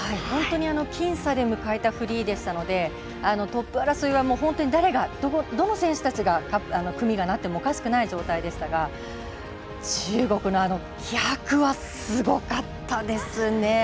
本当に僅差で迎えたフリーでしたのでトップ争いは本当に誰がどの組がなってもおかしくない状態でしたが中国の気迫はすごかったですね。